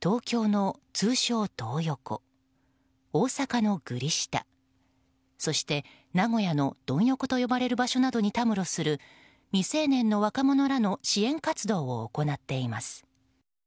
東京の通称トー横大阪のグリ下そして、名古屋のドン横などと呼ばれる場所にたむろする未成年の若者らの支援活動を行っています。